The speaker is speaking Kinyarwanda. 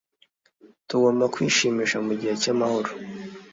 Tugomba kwishimisha mu gihe cy amahoro